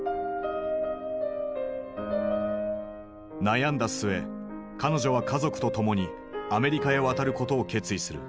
悩んだ末彼女は家族と共にアメリカへ渡ることを決意する。